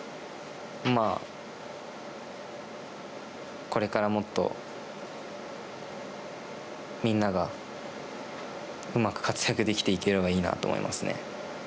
まあ、これからもっとみんなが、うまく活躍できていければいいなと思いますね。